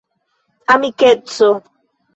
amikeco